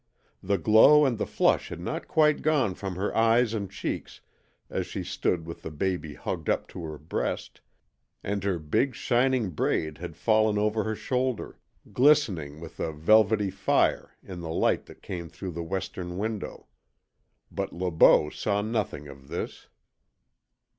The glow and the flush had not quite gone from her eyes and cheeks as she stood with the baby hugged up to her breast, and her big shining braid had fallen over her shoulder, glistening with a velvety fire in the light that came through the western window. But Le Beau saw nothing of this.